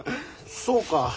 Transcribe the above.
そうか。